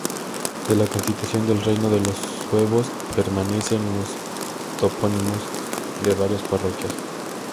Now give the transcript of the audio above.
De la constitución del reino de los Suevos permanecen los topónimos de varias parroquias.